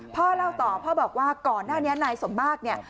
พ่อเล่าต่อพ่อบอกว่าก่อนหน้านี้นายสมมากเนี่ย